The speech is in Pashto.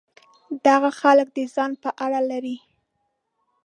دغه خلک د ځان په اړه لري.